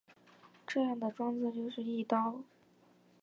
这样的装置就是翼刀。